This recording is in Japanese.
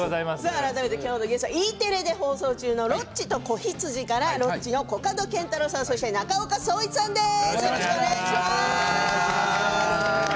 改めまして今日のゲストはＥテレで放送中の「ロッチと子羊」からロッチのコカドケンタロウさん中岡創一さんです。